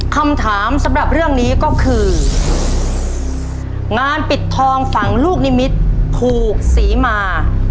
คำถามสำหรับเรื่องนี้ก็คืองานปิดทองฝั่งลูกนิมิตรภูกศรีมา